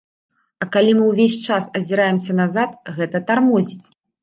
А калі мы ўвесь час азіраемся назад, гэта тармозіць.